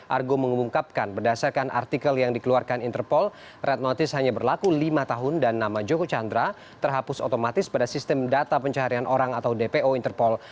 argo mengumumkapkan berdasarkan artikel yang dikeluarkan interpol red notice hanya berlaku lima tahun dan nama joko chandra terhapus otomatis pada sistem data pencaharian orang atau dpo interpol